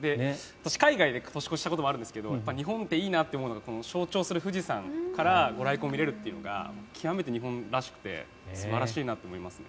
海外で年を越したことがあるんですが日本でいいなって思うのは象徴する富士山からご来光を見られるというのが極めて日本らしくて素晴らしいなと思いますね。